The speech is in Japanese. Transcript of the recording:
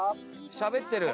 しゃべってる。